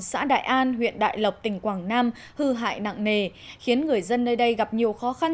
xã đại an huyện đại lộc tỉnh quảng nam hư hại nặng nề khiến người dân nơi đây gặp nhiều khó khăn